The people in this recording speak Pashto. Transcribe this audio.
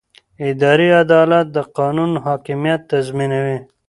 اداري عدالت د قانون حاکمیت تضمینوي.